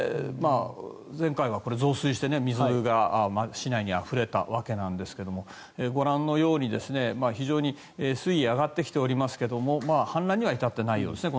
前回はこれ、増水して水が市内にあふれたわけなんですがご覧のように、非常に水位が上がってきておりますが氾濫には至ってないようですね